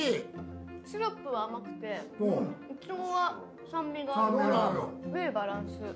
シロップは甘くていちごは酸味があるからいいバランス。